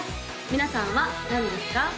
皆さんは何ですか？